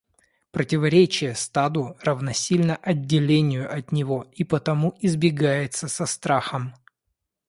Противоречие стаду равносильно отделению от него и потому избегается со страхом.